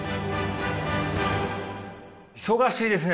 忙しいですね。